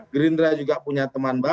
gerindra juga punya teman baru